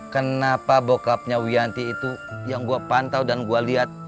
kenapa bokapnya wianty itu yang gue pantau dan gue liat